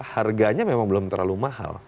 harganya memang belum terlalu mahal